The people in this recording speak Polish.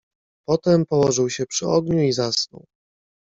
"Potem położył się przy ogniu i zasnął."